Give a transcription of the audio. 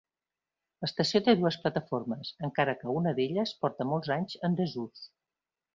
L'estació té dues plataformes, encara que una d'elles porta molts anys en desús.